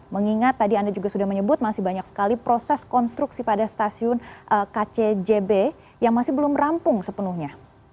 mengingat tadi anda juga sudah menyebut masih banyak sekali proses konstruksi pada stasiun kcjb yang masih belum rampung sepenuhnya